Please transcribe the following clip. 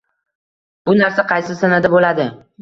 Bu narsa qaysi sanada bo'ladi?